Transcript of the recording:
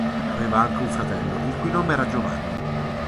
Aveva anche un fratello, il cui nome era Giovanni.